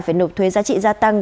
phải nộp thuế giá trị gia tăng